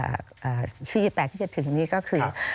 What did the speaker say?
ชื่อยี่แตกที่จะถึงนี้ก็คือ